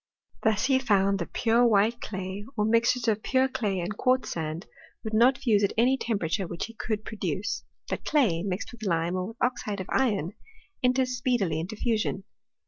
Thus he foimd that pure white clay, or mixtures of pure clay and quartz sand, would not fuse at any temperature which he could produce ; but clay, mixed with lime or with oxide of iron, enters speedily into fusion.